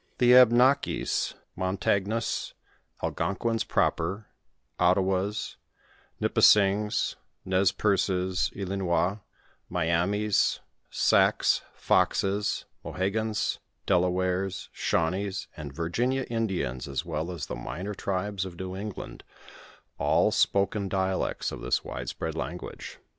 The Abnakis, ?'■ r.tagnnis, Algonquins proper, Ottawas, Nipis eings, Ne;;j /ces, Illinois, Miamis, Sacs, Foxes, Mohegans, Delawares, Shawnees and Virginia Indians, as well as the minor tribes of New England, all spoken dialects of this widespread language.